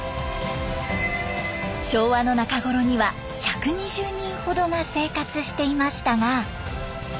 昭和の中頃には１２０人ほどが生活していましたが。